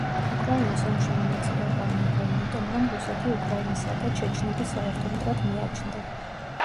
უკრაინის ომში მონაწილეობა მიიღო იმიტომ, რომ რუსეთი უკრაინისა და ჩეჩნების საერთო მტრად მიაჩნდა.